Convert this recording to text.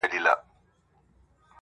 هغه خو دا گراني كيسې نه كوي